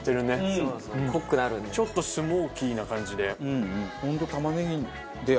ちょっとスモーキーな感じで。